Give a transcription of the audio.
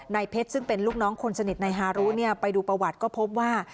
เพชรซึ่งเป็นลูกน้องคนสนิทในฮารุไปดูประวัติก็พบว่า